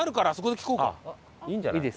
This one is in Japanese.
いいんじゃない？